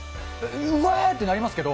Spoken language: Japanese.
うわーってなりますけど。